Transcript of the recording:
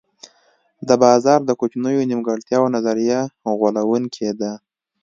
د بازار د کوچنیو نیمګړتیاوو نظریه غولوونکې ده.